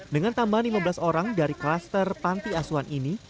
dengan tambahan lima belas orang dari kluster panti asuhan ini